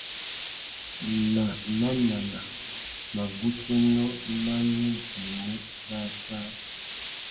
Nà mamana, magussénô mà nu djïmú săssā.